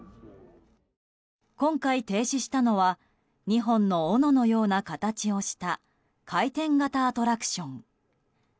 今回停止したのは２本のおののような形をした回転型アトラクション。